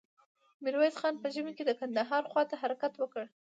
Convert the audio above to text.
ميرويس خان په ژمې کې د کندهار خواته حرکت وکړ.